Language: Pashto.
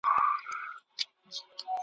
لکه شمع په خپل ځان کي ویلېدمه ,